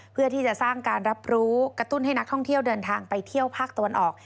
เพื่อที่จะสร้างการรับรู้กระตุ้นให้นักท่องเที่ยวเดินทางไปเที่ยวภาคตะวันออก